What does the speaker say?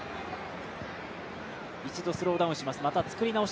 一度、スローダウンします。